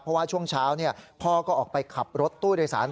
เพราะว่าช่วงเช้าพ่อก็ออกไปขับรถตู้โดยสาร